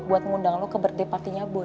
buat ngundang lo ke berdaipati nya boy